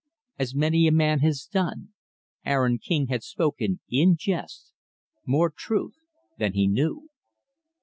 As many a man has done Aaron King had spoken, in jest, more truth than he knew.